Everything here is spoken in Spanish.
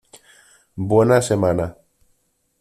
Buena semana.